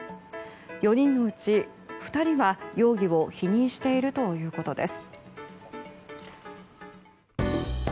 ４人のうち２人は容疑を否認しているということです。